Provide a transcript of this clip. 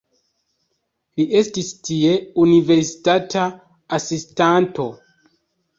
Li estis tie universitata asistanto.